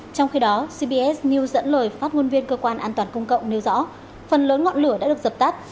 trong khi đó cbs new dẫn lời phát ngôn viên cơ quan an toàn công cộng nêu rõ phần lớn ngọn lửa đã được dập tắt